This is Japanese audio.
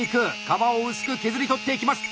皮を薄く削り取っていきます！